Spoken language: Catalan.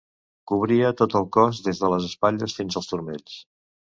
Cobria tot el cos des de les espatlles fins als turmells.